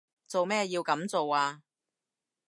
做咩要噉做啊？